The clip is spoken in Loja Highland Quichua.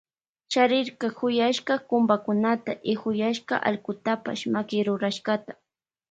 Charirka kuyaska kumbakunata y huyashka allkutapash makirurashkata.